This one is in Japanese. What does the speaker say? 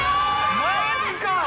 マジか！